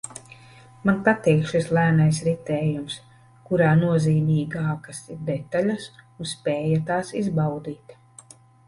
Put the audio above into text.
Man patīk šis lēnais ritējums, kurā nozīmīgākas ir detaļas un spēja tās izbaudīt